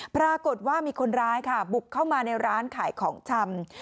ปรากฏว่ามีคนร้ายค่ะบุกเข้ามาในร้านขายของชำ